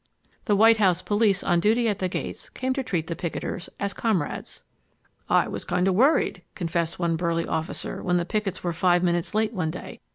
The White House police on duty at the gates came to treat the picketers as comrades. "I was kinds worried," confessed one burly officer when the pickets were five minutes late one day.